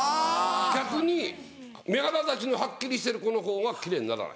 逆に目鼻立ちのはっきりしてる子のほうが奇麗にならない。